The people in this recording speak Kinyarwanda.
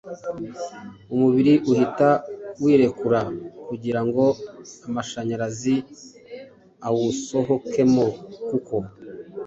umubiri uhita wirekura kugira ngo amashanyazi awusohokemo kuko